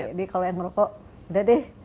jadi kalau yang merokok udah deh